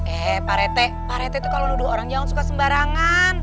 eh pak rete pak rete tuh kalau nuduh orang jangan suka sembarangan